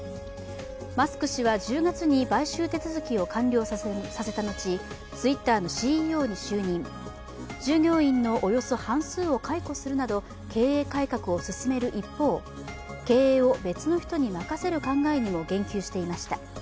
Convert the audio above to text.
マスク氏は１０月に買収手続きを完了させたのちＴｗｉｔｔｅｒのＣＥＯに就任従業員のおよそ半数を解雇するなど経営改革を進める一方経営を別の人に任せる考えにも言及していました。